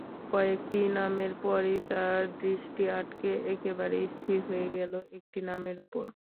কয়েকটি নামের পরই তার দৃষ্টি আটকে একেবারে স্থির হয়ে গেল একটি নামের উপর।